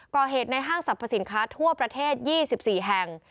ในห้างสรรพสินค้าทั่วประเทศ๒๔แห่ง